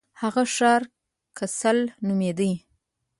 هغه ښار کسل نومیده.